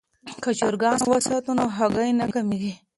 که چرګان وساتو نو هګۍ نه کمیږي.